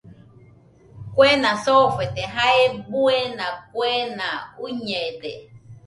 Kuena soofete jae buena kuena uiñede